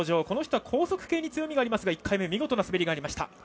この人は高速系に強みがありますが１回目見事な滑りがありました。